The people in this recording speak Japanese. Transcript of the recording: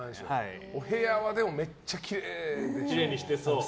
お部屋はでもめっちゃきれいでしょ？